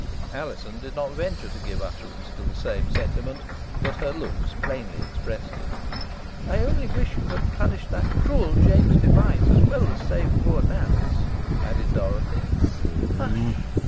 Alizon did not venture to give utterance to the same sentiment, but her looks plainly expressed it. "I only wish you had punished that cruel James Device, as well as saved poor Nance," added Dorothy. "Hush!"